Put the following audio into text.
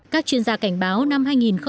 các chuyên gia cảnh báo năm hai nghìn một mươi chín